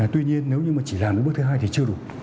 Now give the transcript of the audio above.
tuy nhiên nếu như chỉ làm được bước thứ hai thì chưa đủ